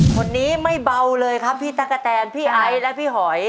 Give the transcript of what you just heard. คนนี้ไม่เบาเลยครับพี่ตะกะแตนพี่ไอซ์และพี่หอย